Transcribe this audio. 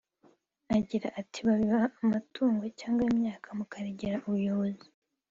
Agira ati “Babiba amatungo cyangwa imyaka mukaregera ubuyobozi